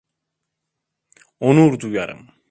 Onur duyarım.